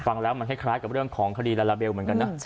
ฟังแล้วมันคล้ายกับเรื่องของคดีลาลาเบลเหมือนกันนะ